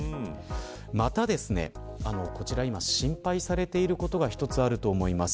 また、こちら今心配されていることが１つあると思います。